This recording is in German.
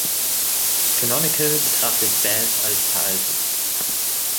Canonical betrachtet Baz als veraltet.